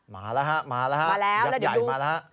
มาแล้วฮะมาแล้วฮะยักษ์ใหญ่มาแล้วฮะ